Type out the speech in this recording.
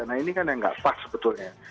nah ini kan yang nggak pas sebetulnya